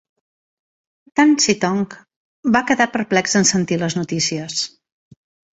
Tan Sitong va quedar perplex en sentir les notícies.